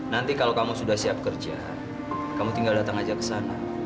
nanti kalau kamu sudah siap kerja kamu tinggal datang aja ke sana